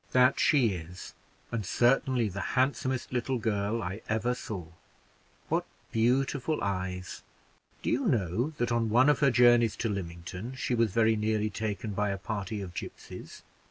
"That she is; and certainly the handsomest little girl I ever saw. What beautiful eyes! Do you know that on one of her journeys to Lymington she was very nearly taken by a party of gipsies?